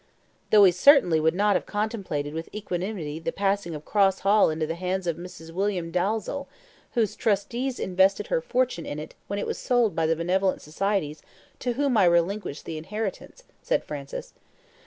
"Though he certainly would not have contemplated with equanimity the passing of Cross Hall into the hands of Mrs. William Dalzell, whose trustees invested her fortune in it when it was sold by the benevolent societies to whom I relinquished the inheritance," said Francis.